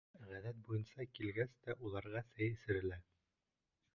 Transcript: Ғәҙәт буйынса, килгәс тә уларға сәй эсерелә.